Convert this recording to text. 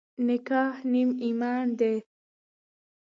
نکاح نیم ایمان دی.